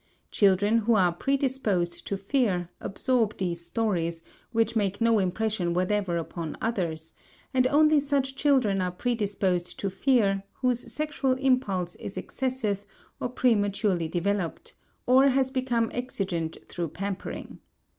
Children who are predisposed to fear absorb these stories, which make no impression whatever upon others; and only such children are predisposed to fear whose sexual impulse is excessive or prematurely developed, or has become exigent through pampering.